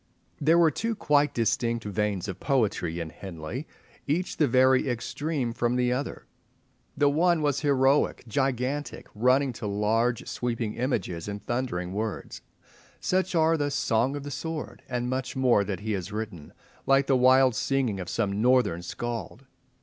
There were two quite distinct veins of poetry in Henley, each the very extreme from the other. The one was heroic, gigantic, running to large sweeping images and thundering words. Such are the "Song of the Sword" and much more that he has written, like the wild singing of some Northern scald.